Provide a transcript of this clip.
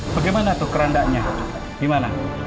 bagaimana tuh kerandanya gimana